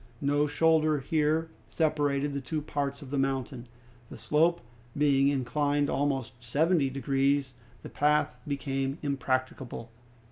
No shoulder here separated the two parts of the mountain. The slope, being inclined almost seventy degrees, the path became impracticable.